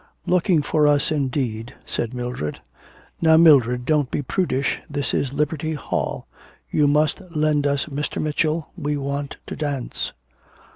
'Looking for us indeed,' said Mildred. Now, Mildred, don't be prudish, this is Liberty Hall. You must lend us Mr. Mitchell, we want to dance.'